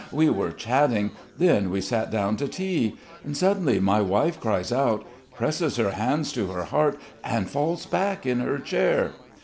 We were chatting.... Then we sat down to tea. Suddenly my wife cries out, presses her hands to her heart, and falls back in her chair.